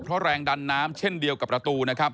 เพราะแรงดันน้ำเช่นเดียวกับประตูนะครับ